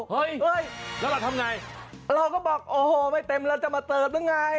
เฮ้ยแล้วเราทำไงเราก็บอกโอ้โหไม่เต็มเราจะมาเติบหรือไง